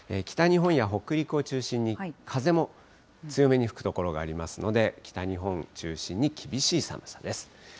北日本や北陸を中心に、風も強めに吹く所がありますので、北日本中心に厳しい寒さです。